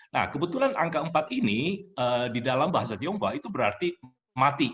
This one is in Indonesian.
nah kebetulan angka empat ini di dalam bahasa tionghoa itu berarti mati